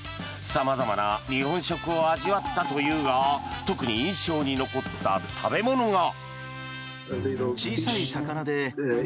様々な日本食を味わったというが特に印象に残った食べ物が。